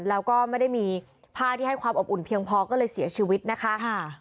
แล้วก็ไม่ได้มีผ้าที่ให้ความอบอุ่นเพียงพอก็เลยเสียชีวิตนะคะ